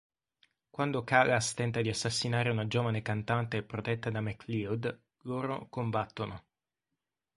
Quando Kalas tenta di assassinare una giovane cantante protetta da MacLeod, loro combattono.